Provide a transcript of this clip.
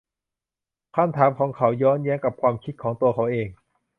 คำถามของเขาย้อนแย้งกับความคิดของตัวเขาเอง